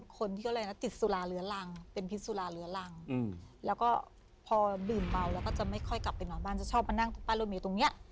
เขาก็ค่อยกลับไปหน่อบ้านจะชอบมานั่งตรงใต้รถเมตรตรงนี้